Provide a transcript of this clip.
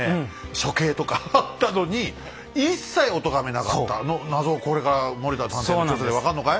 処刑とかあったのに一切おとがめなかったあの謎をこれから森田探偵の調査で分かんのかい？